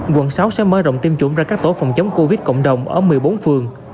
quận sáu sẽ mở rộng tiêm chủng ra các tổ phòng chống covid cộng đồng ở một mươi bốn phường